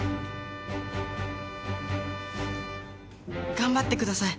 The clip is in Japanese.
頑張ってください。